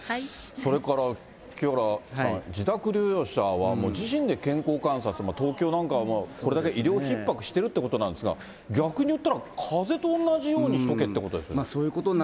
それから清原さん、自宅療養者は、もう自身で健康観察も、東京なんかはそれだけ医療ひっ迫してるっていうことなんですが、逆にいったらかぜと同じようにしとけってことでしょうか。